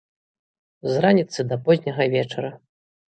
З раніцы да позняга вечара.